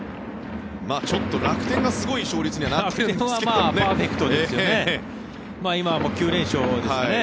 ちょっと楽天がすごい勝率にはなっているんですけどね。